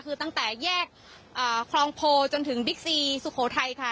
คือตั้งแต่แยกคลองโพจนถึงบิ๊กซีสุโขทัยค่ะ